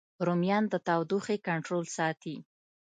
رومیان د تودوخې کنټرول ساتي